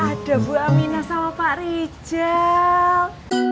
ada bu amina sama pak rijal